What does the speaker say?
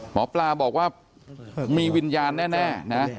หมอปลาบอกว่ามีวิญญาณแน่นะ